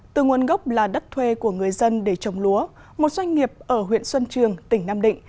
từ nguồn gốc là đất thuê của người dân để trồng lúa một doanh nghiệp ở huyện xuân trường tỉnh nam định